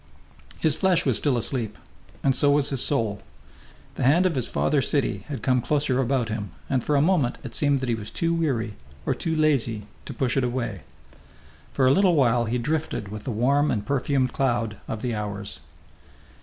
His flesh was still asleep, and so was his soul. The hand of his father city had come closer about him, and for a moment it seemed that he was too weary, or too lazy, to push it away. For a little while he drifted with the warm and perfumed cloud of the hours.